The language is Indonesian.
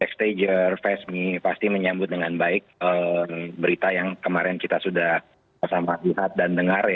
stajer fesmi pasti menyambut dengan baik berita yang kemarin kita sudah bersama di hat dan dengar ya